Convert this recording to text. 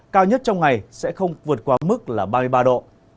cao nhất trong ngày sẽ không vượt qua mức là ba mươi ba độ